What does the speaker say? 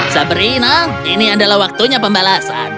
sabar anak ini adalah waktunya pembalasan